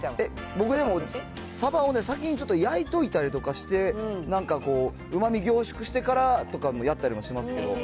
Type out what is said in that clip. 僕でも、サバをね、先にちょっと焼いといたりとかして、なんかこう、うまみ凝縮してからとかもやったりもしますけど。